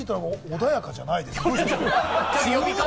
穏やかじゃないですね。